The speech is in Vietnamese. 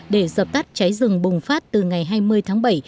để dập tắt cháy rừng bùng phát từ ngày hai mươi tháng bảy